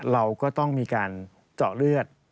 เราก็ต้องมีการเจาะเลือด